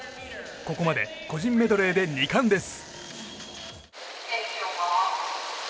ここまで個人メドレーで２冠です。